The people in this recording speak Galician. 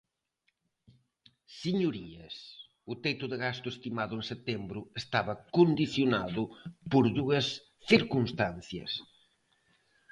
Señorías, o teito de gasto estimado en setembro estaba condicionado por dúas circunstancias.